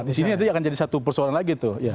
disini akan jadi satu persoalan lagi tuh